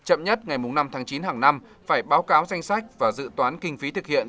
chậm nhất ngày năm tháng chín hàng năm phải báo cáo danh sách và dự toán kinh phí thực hiện